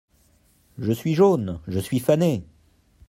Je suis jaune ! je suis fané !